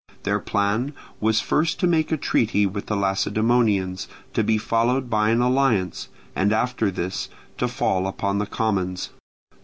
Their plan was first to make a treaty with the Lacedaemonians, to be followed by an alliance, and after this to fall upon the commons.